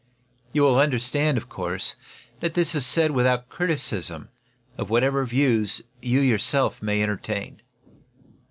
You will understand, of course, that this is said without criticism of whatever views you yourself may entertain."